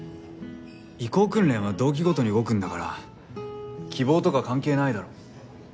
移行訓練は同期ごとに動くんだから希望とか関係ないだろ。